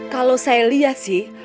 kalau saya lihat sih